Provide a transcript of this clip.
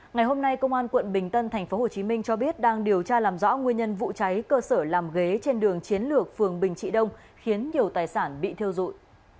ngày hôm nay công an quận bình tân thành phố hồ chí minh cho biết đang điều tra làm rõ nguyên nhân vụ cháy cơ sở làm ghế trên đường chiến lược phường bình trị đông khiến nhiều tài sản bị theo dụi